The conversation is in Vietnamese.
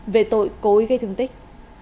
về tội cối gây thương tích